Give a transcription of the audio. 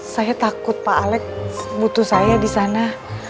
saya takut pak alex butuh saya di sana